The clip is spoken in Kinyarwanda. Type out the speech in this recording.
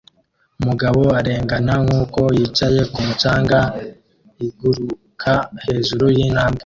Umugabo arengana nkuko yicaye kumu canga er iguruka hejuru yintambwe